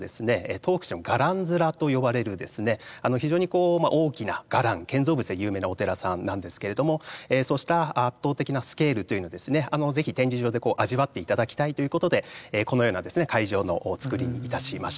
東福寺の伽藍面と呼ばれる非常に大きな伽藍建造物で有名なお寺さんなんですけれどもそうした圧倒的なスケールというのを是非展示場で味わっていただきたいということでこのような会場の作りにいたしました。